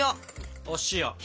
お塩。